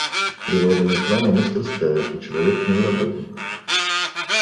Природа не храм, а мастерская, и человек в ней работник.